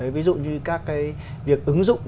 ví dụ như các cái việc ứng dụng